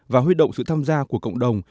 và huy động sự tham gia của cộng đồng